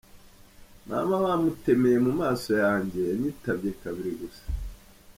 Mama bamutemeye mu maso yanjye, yanyitabye kabiri gusa.